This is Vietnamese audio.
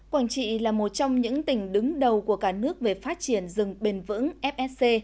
quảng trị là một trong những tỉnh đứng đầu của cả nước về phát triển rừng bền vững fsc